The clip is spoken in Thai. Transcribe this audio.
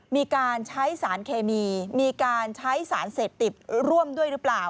มีการใช้สารเคมีมีการใช้สารเสพติดร่วมด้วยหรือเปล่า